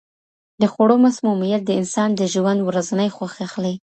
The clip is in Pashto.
د خوړو مسمومیت د انسان د ژوند ورځنۍ خوښي اخلي.